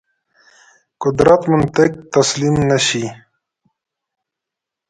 قدرت منطق تسلیم نه شي.